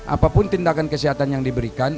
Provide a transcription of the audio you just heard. apapun tindakan kesehatan yang diberikan